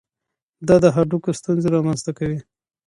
دا د هډوکو ستونزې رامنځته کوي.